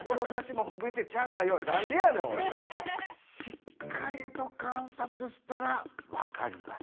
しっかりとかんさつしたらわかります。